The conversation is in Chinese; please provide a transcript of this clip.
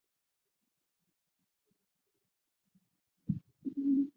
延吉新华广播电台是中国历史上首个使用朝鲜语播音的电台。